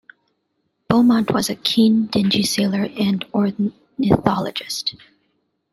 Beamont was a keen dingy sailor and ornithologist.